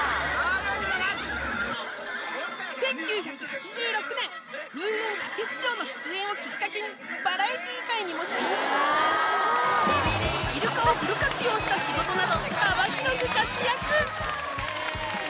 １９８６年『風雲！たけし城』の出演をきっかけにバラエティー界にも進出イルカをフル活用した仕事など幅広く活躍